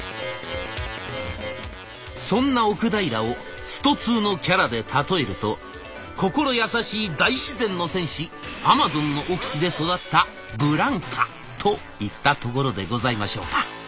そんな奥平を「ストⅡ」のキャラで例えると心優しい大自然の戦士アマゾンの奥地で育ったブランカといったところでございましょうか。